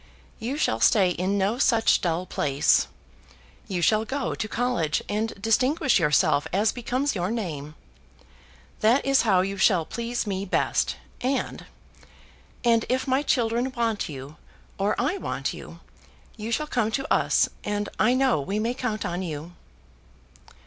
"You shall stay in no such dull place. You shall go to college and distinguish yourself as becomes your name. That is how you shall please me best; and and if my children want you, or I want you, you shall come to us; and I know we may count on you."